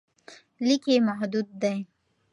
لیک یې محدود دی.